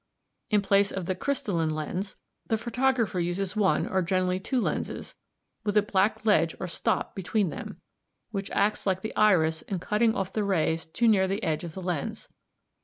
In place of the crystalline lens (compare with Fig. 11) the photographer uses one, or generally two lenses l, l, with a black ledge or stop s between them, which acts like the iris in cutting off the rays too near the edge of the lens.